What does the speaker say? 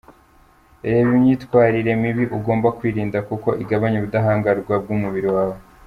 Reba imyitwarire mibi ugomba kwirinda kuko igabanya ubudahangarwa bw’umubiri wawe.